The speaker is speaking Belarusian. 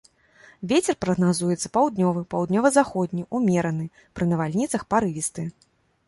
Вецер прагназуецца паўднёвы, паўднёва-заходні ўмераны, пры навальніцах парывісты.